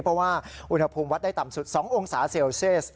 เพราะว่าอุณหภูมิวัดได้ต่ำสุด๒องศาเซลเซียส